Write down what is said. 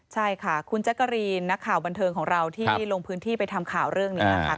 ใช่ค่ะคุณแจ๊กกะรีนนักข่าวบันเทิงของเราที่ลงพื้นที่ไปทำข่าวเรื่องนี้นะคะ